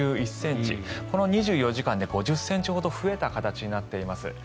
この２４時間で５０ｃｍほど増えた形になっています。